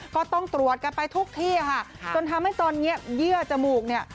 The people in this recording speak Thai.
ก็ต้องตรวจกันไปทุกที่ค่ะจนทำให้ตอนนี้เยื่อจมูกเนี่ย